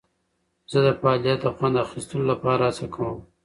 زه د فعالیت د خوند اخیستلو لپاره هڅه کوم.